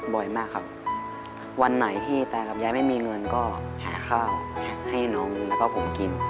บ่อยมากครับวันไหนที่ตากับยายไม่มีเงินก็หาข้าวให้น้องแล้วก็ผมกิน